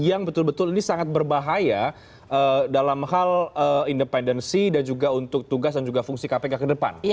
yang betul betul ini sangat berbahaya dalam hal independensi dan juga untuk tugas dan juga fungsi kpk ke depan